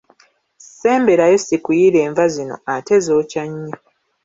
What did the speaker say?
Ssemberayo sikuyiira enva zino ate zookya nnyo.